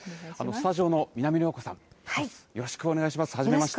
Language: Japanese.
スタジオの南野陽子さん、よろしくお願いします、はじめまして。